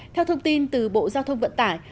theo thông tin từ bộ giao thông vận tải